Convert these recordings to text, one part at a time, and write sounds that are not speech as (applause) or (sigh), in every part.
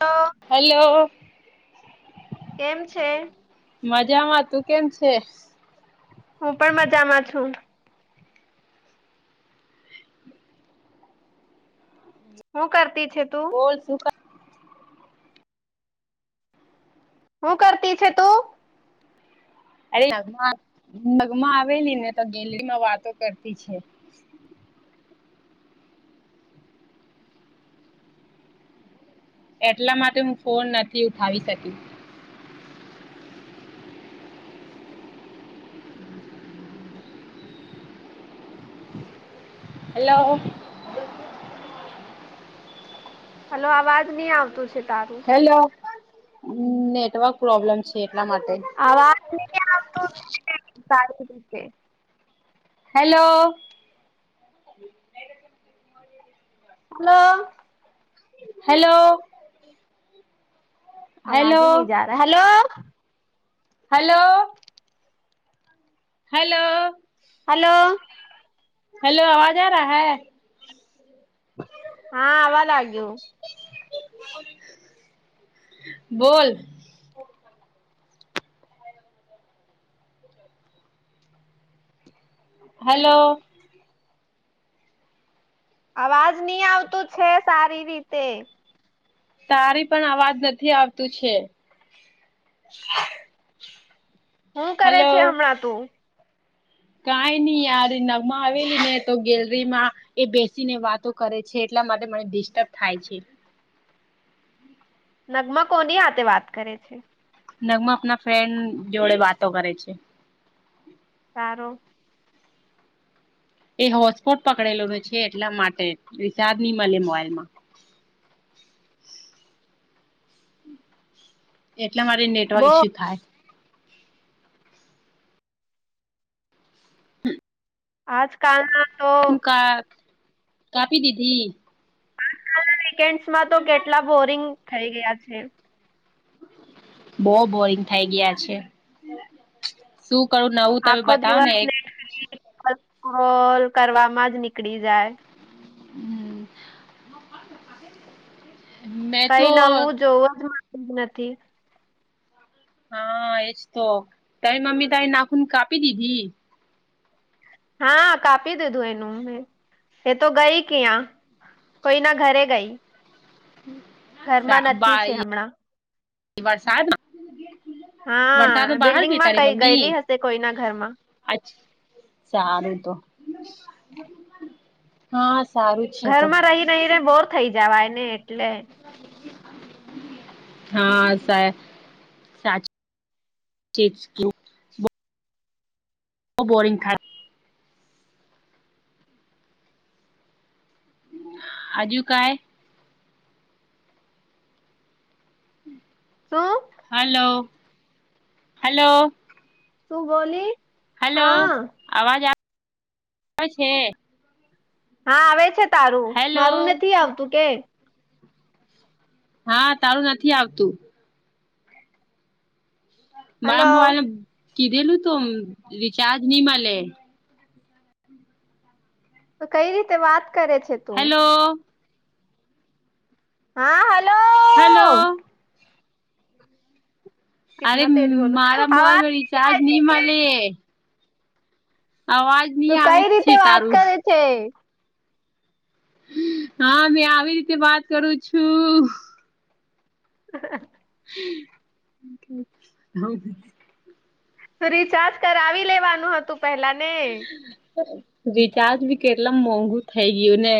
Hello hello કેમ છે મજામાં તું કેમ છે હું પણ મજામાં છું હું કરતી છે તું બોલ (unintelligible) હું કરતી છે તું અરે નગ નગમાં આવેલી ને તો ગેલરીમાં વાતો કરતી છે (unintelligible) એટલા માટે હું ફોન નથી ઉઠાવી શકી હેલો હલો અવાજ નહી આવતું છે તારું. હેલો, નેટવર્ક પ્રોબ્લેમ છે એટલા માટે. આવાજ ન આવું (unintelligible) હેલો. હલો. હેલો. આવાજ હેલો હ નહી જા રહા hello. Hello. Hello. Hello. Hello આવાજ આ રા હૈ? હા આવવા લાગ્યું. બોલ. હલો. અવાજ નહી આવતું છે સારી રીતે. તારી પણ અવાજ નથી આવતું છે. હું કરે છે હમણાં તું? કઈ નઈ યાર નમા આવેલી ને તો ગેલરી માં એ બેસીને વાતો કરે છે એટલા માટે મને ડિસ્ટર્બ થાય છે. નગમા કોની આ તે વાત કરે છે? નગમાં આપના ફ્રેન્ડ જોડે વાતો કરે છે. સારો. એ હોટ સ્પોટ પકડેલો છે એટલા માટે રિસાાર્દ નહી મળે મોાઈલમાં. એટલે મારી નેટવર્ક બો ઇસ્યુ થાય. આજકાલમાં તો હ કા કાપી દીઘી. આજકાલના વીકેન્ડમાં તો કેટલા બોરિંગ થઈ ગયા છે. બહ બોરિંગ થઈ ગયા છે. શું કરું નવ આખો દિવસ લેટ અલ્કો્રોલ કરવામાં જ નીકળી જાય. હમ. કઈ નવું જોવું જ માનું નથી. હા એ જ તો, તારી મમ્મી તારી નાખન કાપી દીધી? હા કાપી દીધું એનું મેં. એ તો ગઈ ક આ કોઈ ના ઘરે ગઈ. ઘરમાં નથી છે ભાઈ હમણાં. વરસાદમાં? વરસાદ હા ન બહાર જ બિલ્ડિંગમાં ત ર કઈ મમ્મી. ગયેલી હશે કોઈના ઘરમાં. સારું તો. હા સારું. છે તો ઘરમાં રહી રહીને બોર થઈ જવાયને એટલે. હા સા સાચ (unintelligible) બોરિગ થાય. હજુ કાય. શું? Hello hello. તું બોલી? હેલો હા. આવાજ આવે છે? હા આવે છે તારું હેલો મારું નથી આવતું કે? હા તારું નથી આવતું, મારા હલો. મોબાઈલ કીધેલું તો રિચાર્જ નહી મળે. તો કઈ રીતે વાત કરે છે? તું? હેલો! હલો, અરે કિતના તેજ બોલું મારા મોબાઈલ આવાજ નો નહીં રિચાર્જ જાય છે નઈ કે? મળે. અવાજ ની તું આવે કઈ છે રીતે વાત તારું કરે છે? હા મેં આવી રીતે વાત કરું છું. હ રિચાર્જ કરાવી લેવાનું હતું પેલા ને?? રિચાર્જ ભી કેટલા મોંઘુ થઇ ગયું ને?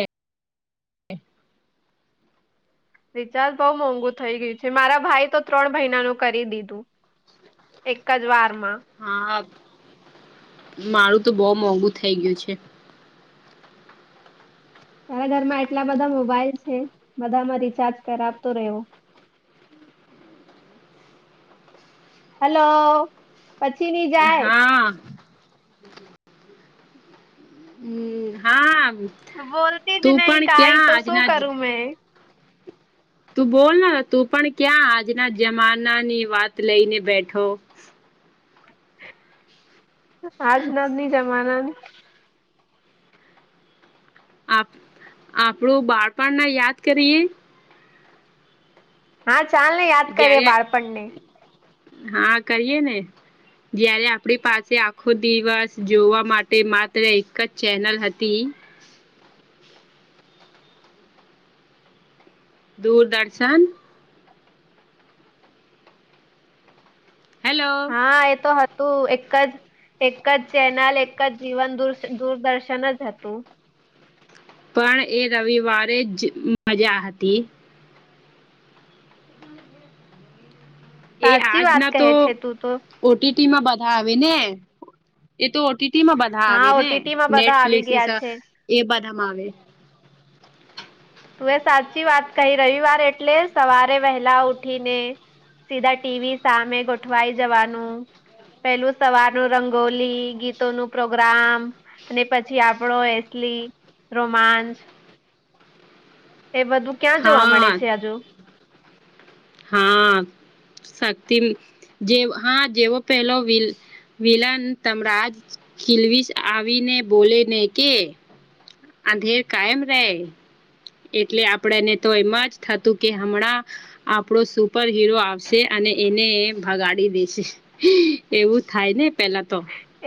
રિચાર્જ બઉ મોંઘુ થઈ ગયું છે. મારા ભાઈ તો ત્રણ મહિનાનું કરી દીધું. એક જ વાર માં. હા મારું તો બહુ મોંઘું થઈ ગયું છે. તાર ઘરમાં એટલા બધા મોબાઈલ છે. બધામાં રિચાર્જ કર આપતો રહ્યો. હલો પછી ની જાય? હા હમ હા બોલતી જ તું નહી પણ કઈ ક્યાં તો શું આજના કરું મેં? તું બોલ તું પણ ક્યાં આજના જમાના ની વાત લઈને બેઠો? હારજ નાદની જમાના ની આપ આપણું બાળપણના યાદ કરીએ? હા ચાલ ને યાદ કરીએ જયારે બાળપણને? હા કરીએ ને? જયારે આપણી પાસે આખો દિવસ જોવા માટે માત્ર એક જ ચેનલ હતી. દૂરદર્શન હેલો હા એ તો તું એક જ એક જ ચેનલ એક જીવન દુર દૂરદર્શન જ જતું. પણ એ રવિવારે જ મજા હતી. એ સાચી વાત આજના કહે તો છે તું તો ઓટીટીમાં બધા આવે ને એ તો ટીટીમાં બધા હા આવે ને ઓટીટીમાં બધા આવી નેટફ્લિકસ ગયા છે એ બધામાં આવે, તું એ સાચી વાત કહી, રવિવાર એટલે સવારે વહેલા ઉઠીને. સીધા ટીવી સામે ગોઠવાય જવાનું. પેલું સવારનું રંગોલી, ગીતો નું પ્રોગ્રામ. અને પછી આપડો એસલી રોમાંચ. એ બધું ક્યાં જોવા હા મળે છે, હજુ.? હા. શક્તિ જે, હા, જેવો પેલો વિ વિલન તમરાજ. કીલવીસ આવી ને, બોલે ને કે. અંધેર કાયમ રે. એટલે આપણેને તો એમાં જ થતું કે, હમણાં. આપણો સુપર હિરો આવશે, અને એને ભગાડી દેશે. એવું થાય ને પેલા તો.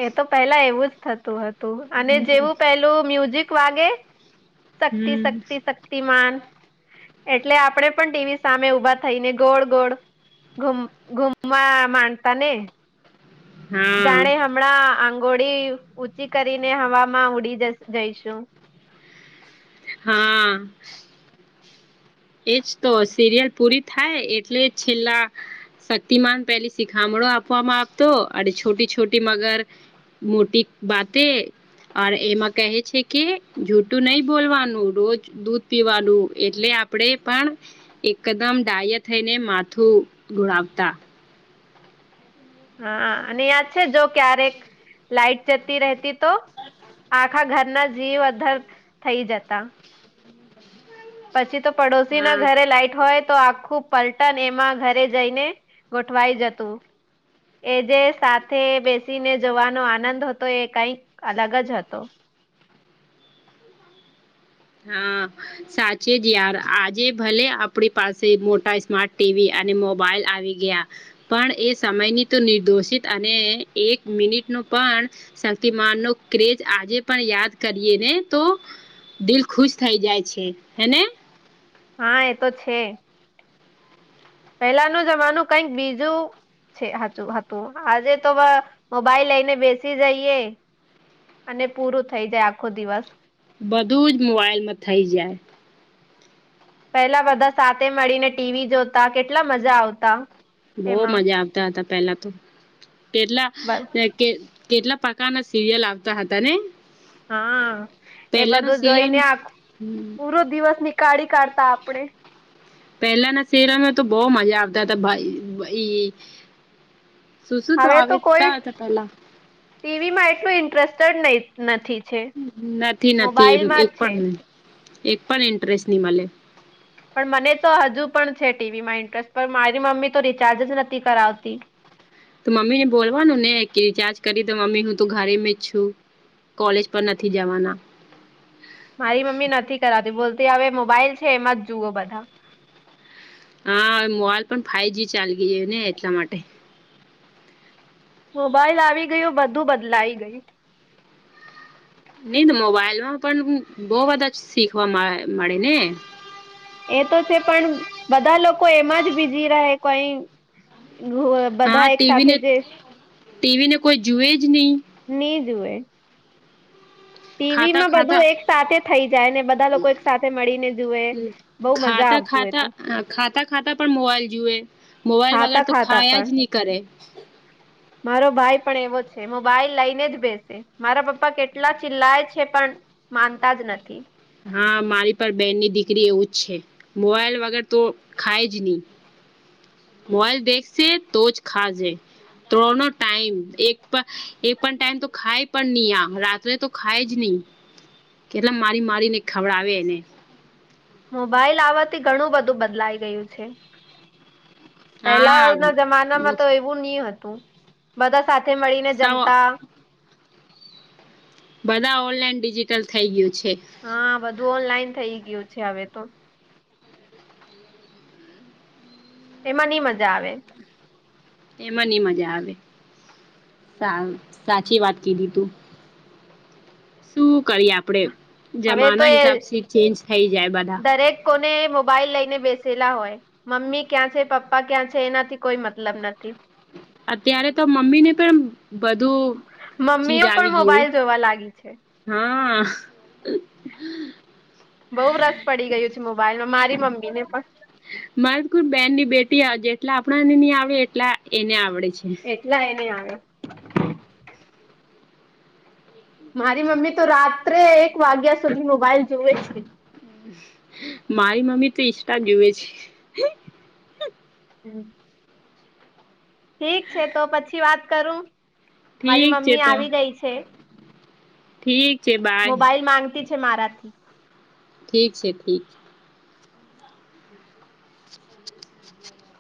એ તો પેલા એવું જ થતું હતું અને જેવું પેલું મ્યુઝિક વાગે. શક્તિ શક્તિ હમ શક્તિમાન. એટલે આપણેે પણ ટીવી સામે ઉભા થઈને ગોળ ગોળ. ઘુમ ઘુમવા માંડતા ને. હા જાણે હમણાં આંગોળી ઊંચી કરીને હવામાં ઉડી જ જઈશું. હા. એજ તો સિરિયલ પૂરી થાય એટલે છેલ્લા. શક્તિમાન પેલી શિખામણો આપવામાં આવતો અને છોટી છોટી મગર. મોટી બાતે. એમાં કહે છે કે, જુઠું નહી બોલવાનું, રોજ દૂધ પીવાનું એટલે આપ આપણે પણ એકદમ ડાય થઈને, માથું ધુણાવતા. હા, અને યાદ છે જો ક્યારેક લાઈટ જતી રહેતી તો? આખા ઘરના જીવ અદર થઈ જતા. પછી તો પડોશી ના હા ઘરે લાઈટ હોય. તો આખું પલટન એમાં ઘરે જઈને, ગોઠવાઈ જતું. એ જે સાથે બેસીને જોવાનો આનંદ હતો એ કંઈક અલગ જ હતો. હા. સાચે જ યાર, આજે ભલે આપડી પાસે મોટા સ્માર્ટ ટીવી અને મોબાઈલ આવી ગયા, પણ એ સમયની તો નિર્દોષિત અને એક મિનિટ નું પણ. શક્તિમાન નો ક્રેજ, આજે પણ યાદ કરીએ ને તો, દિલ ખુશ થઈ જાય છે, હે ને. હા એ તો છે. પહેલા નો જમાનું કઈક બીજું છે હજુ હતું આજે તો મોબાઈલ લઈને બેસી જઈએ. અને પૂરું થઈ જાય આખો દિવસ. બધું જ મોબાઈલમાં થઈ જાય. પેલા બધા સાથે મળીને, ટીવી જોતા કેટલા મજા આવતા. બહુ એમાં મજા આવતા હતા પેલા તો, કેરલા બસ. (unintelligible) કેટલા પ્રકારના સિરિયલ આવતા હતા ને. હા, એ પહેલાના બધું જોઈ સિરિયલ ને આખું હમ, પૂરો દિવસ ની કાળી કાઢતા આપણેે. પહેલાના શહેરામાં તો બહુ મજા આવતા હતા. શું શું હવે તો કોઈ આવતા હતા પેલા ટીવી માં એટલું ઇન્ટરેસ્ટેડ નથી છે. નથી નથી, એમ મોબાઈલમાં એક જ છે પણ એક પણ ઇન્ટરેસ્ટ ની મળે. પણ મને તો હજુ પણ છે ટીવી માં ઇન્ટરેસ્ટ પણ મારી મમ્મી તો રિચાર્જ જ નથી કરાવતી. તો મમ્મી ને બોલવાનું ને કે રિચાર્જ કરી તો મમ્મી હું તો ઘરે જ છું. કોલેજ પર નથી જવાના. મારી મમ્મી નથી કરાતી બોલતી હવે મોબાઈલ છે એમાં જ જુઓ બધા. હાવે મોબાઈલ પણ ફાઇવ જ ચાલ ગઈ ને એટલા માટે. મોબાઈલ આવી ગયો બધું બદલાઈ ગયું. નહી તો મોબાઈલ માં પણ બહ બધા શીખવા મળે ને. એ તો છે પણ બધા લોકો એમાં જ બીજીી રહે કોઈ હા, ટી વી ને ટી વી ને કોઈ જુએ જ નહી. નહી જુવે. ટી વી ખાતા માં બધું ખાતા એક સાથે થઈ જાય ને બધા લોકો એક સાથે મળીને જુએ બહુ મજા ખાતા આવતું એ ખાતા તો અહ ખાતા ખાતા પણ મોબાઈલ જુએ મોબાઈલ વગર ખાતા તો ખાતા ખાયા જ પણ નહી. કરે. મારો ભાઈ પણ એવો છે, મોબાઈલ લઈને જ બેસે. મારા પપ્પા કેટલા ચિલ્લાય છે પણ માનતા જ નથી. હા, મારી પર બેહેનની દીકરી એવું જ છે મોવાઈલ વગર તો ખાય જ નહી. મોબાઈલ દેશે તો જ ખાજે. ત્રનો ટાઈમ એક પા એક પણ ટાઈમ તો ખાય પણ નહી આમ રાત્રે તો ખાય જ નહી કેટલા મારી મારીને ખવડાવે એને. મોબાઈલ આવવાથી ઘણું બધું બદલાઈ ગયું છે. પહેલા હા ના જમાના માં તો એવું નહી હતું બધા સાથે મળીને સૌ જમતા. બધા ઓનલાઈન ડિજિટલ થઈ ગયું છે. હા, બધું ઓનલાઈન થઈ ગયું છે હવે તો. એમાં ની મજા આવે. એમાં ની મજા આવે સા-સાચી વાત કીધું તું. શું કરીએ આપડે હવે તો જમાના એ હિસાબથી ચેન્જ થઇ જાય બધા. દરેક કોને મોબાઈલ લઈને બેસેલા હોય. મમ્મી ક્યાં છે પપ્પા ક્યાં છે એનાથી કોઈ મતલબ નથી. અત્યારે તો મમ્મી ને પણ બધું ચીજ મમ્મીઓ પણ આવી ગ્યું. મોબાઈલ જોવા લાગી છે. હા. બઉ રસ પડી ગયું છે મોબાઈલમાં મારી મમ્મી ને પણ. મારે કોઈ બેનની બેટીયા જેટલા આપણાને નહી આવે એટલા એને આવડે છે. એટલા એને આવે. મારી મમ્મી તો રાત્રે એક વાગ્યા સુધી મોબાઈલ જોવે છે. મારી મમ્મી તો ઈન્સ્ટા જુવે છે. હમ્મ. ઠીક છે તો પછી વાત કરું. મારી ઠીક છે મમ્મી તો આવી ગઈ છે. ઠીક છે બાય મોબાઈલ માંગતી છે મારાથી. ઠીક છે, ઠીક. (unintelligible)